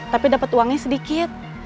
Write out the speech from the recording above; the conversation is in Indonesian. tapi dapet uangnya sedikit